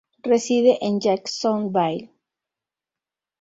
Reside en Jacksonville.